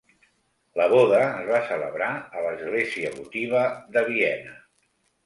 La boda es va celebrar a l'Església votiva de Viena.